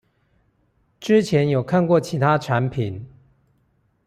之前有看過其他產品